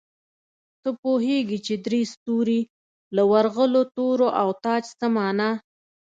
ته پوهېږې چې درې ستوري، له ورغلو تورو او تاج څه مانا؟